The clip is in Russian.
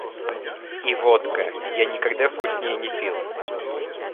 И водка — я никогда вкуснее не пил!